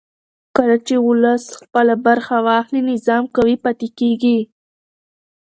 کله چې ولس خپله برخه واخلي نظام قوي پاتې کېږي